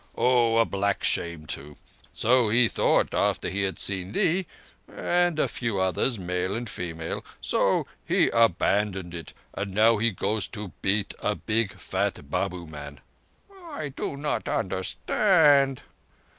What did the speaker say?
"Oh! black shame too. So he thought after he had seen thee—and a few others, male and female. So he abandoned it; and now he goes to beat a big fat Babu man." "I do not understand."